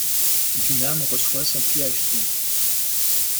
Dunham reçoit son Ph.D.